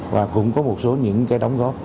và cũng có một số những cái đóng góp